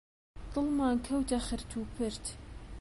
دڵمان کەوتە خرت و پرت